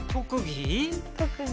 特技？